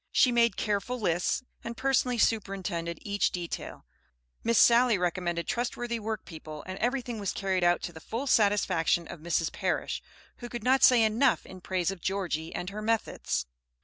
She made careful lists, and personally superintended each detail. Miss Sally recommended trustworthy workpeople, and everything was carried out to the full satisfaction of Mrs. Parish, who could not say enough in praise of Georgie and her methods.